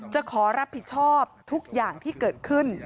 จะขอรับผิดชอบทุกอย่างที่เกิดขึ้น